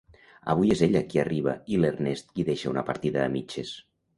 Avui és ella qui arriba i l'Ernest qui deixa una partida a mitges.